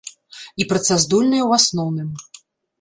І працаздольныя ў асноўным.